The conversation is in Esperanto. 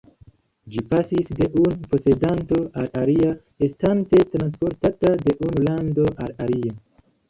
Ĝi pasis de unu posedanto al alia, estante transportata de unu lando al alia.